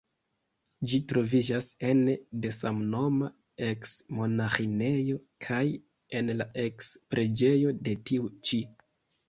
Ĝi troviĝas ene de samnoma eks-monaĥinejo kaj en la eks-preĝejo de tiu ĉi.